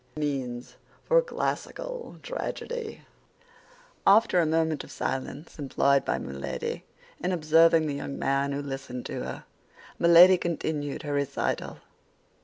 MEANS FOR CLASSICAL TRAGEDY After a moment of silence employed by Milady in observing the young man who listened to her, Milady continued her recital.